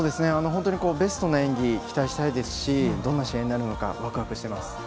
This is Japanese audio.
本当にベストな演技を期待したいですしどんな試合になるのかワクワクしています。